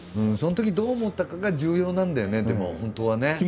そのときどう思ったかが重要なんだよねでも本当はね。